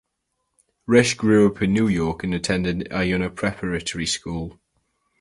Resh grew up in New York and attended Iona Preparatory School.